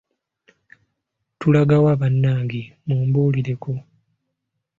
Tulaga wa bannange mumbuulireko.